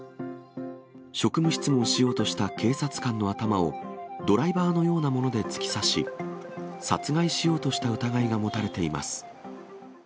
職務質問しようとした警察官の頭を、ドライバーのようなもので突き刺し、殺害しようとした疑いが持たれています。